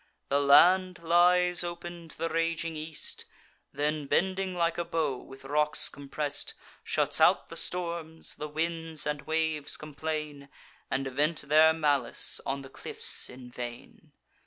The land lies open to the raging east, Then, bending like a bow, with rocks compress'd, Shuts out the storms; the winds and waves complain, And vent their malice on the cliffs in vain.